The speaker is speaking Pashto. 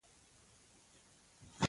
هغه وویل ډېر ښه، زه به ستاسې لارښود یم.